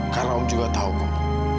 karena om juga tahu kok